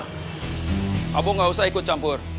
kamu gak usah ikut campur